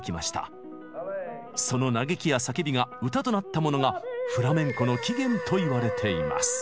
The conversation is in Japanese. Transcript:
その嘆きや叫びが歌となったものがフラメンコの起源といわれています。